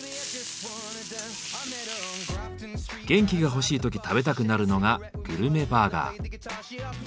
元気が欲しい時食べたくなるのがグルメバーガー。